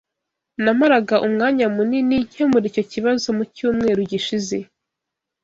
Namaraga umwanya munini nkemura icyo kibazo mucyumweru gishize.